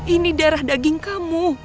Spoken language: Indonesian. ini darah daging kamu